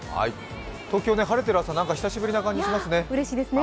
東京、晴れてる朝なんか久しぶりな感じしますね。